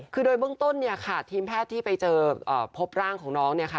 คือโดยเบื้องต้นเนี่ยค่ะทีมแพทย์ที่ไปเจอพบร่างของน้องเนี่ยค่ะ